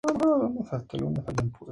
Tiene la condición de ordinario del lugar.